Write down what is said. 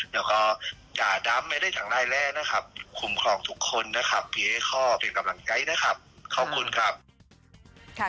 คุมครองทุกคนนะครับพี่เอ่ยอ้อกเป็นกำลังใจขอบคุณครับ